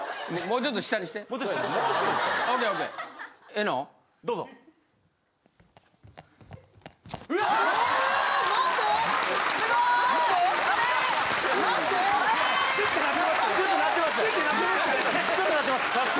ちょっとなってます・・